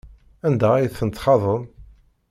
Anda ay ten-txaḍem?